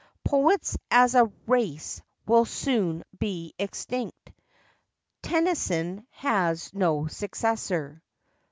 Poets, as a race, will soon be extinct. Tennyson has no successor.